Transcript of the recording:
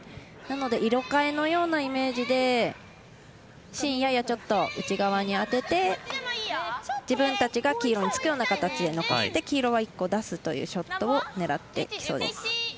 なので色変えのようなイメージで芯ややちょっと内側に当てて自分たちが黄色につくような形で残して黄色は１個出すというショットを狙ってきそうです。